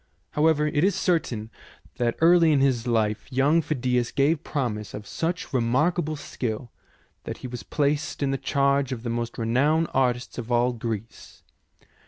However, it is certain that early in his life young Phidias gave promise of such remarkable skill that he was placed in the 6 81 82 THE SEyEN WONDERS charge of the most renowned artists of all Greece.